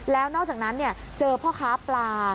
แล้วนอกจากนั้นเจอพ่อค้าปลา